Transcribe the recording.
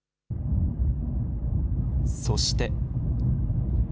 そして。